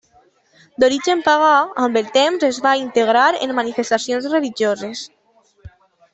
D'origen pagà, amb el temps es va integrar en manifestacions religioses.